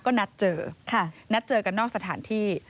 ก็นัดเจอกันนอกสถานที่